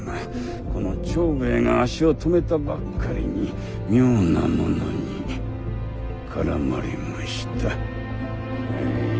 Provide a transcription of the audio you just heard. この長兵衛が足を止めたばっかりに妙な者に絡まれました。